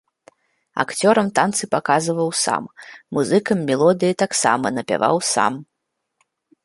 Акцёрам танцы паказваў сам, музыкам мелодыі таксама напяваў сам.